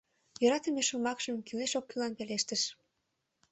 Йӧратыме шомакшым кӱлеш-оккӱллан пелештыш: